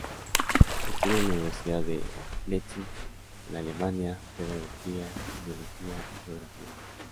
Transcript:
Estudia en la Universidad de Leipzig, en Alemania, pedagogía en biología y geografía.